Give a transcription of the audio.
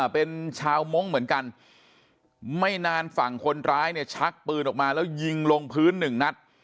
เป็นชาวมงค์เหมือนกันไม่นานฝั่งคนร้ายเนี่ยชักปืนออกมาแล้วยิงลงพื้นหนึ่งนัด